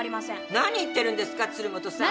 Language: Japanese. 何言ってるんですか、鶴本さん！